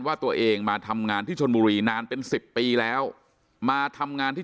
ว่าตัวเองมาทำงานที่ชนบุรีนานเป็นสิบปีแล้วมาทำงานที่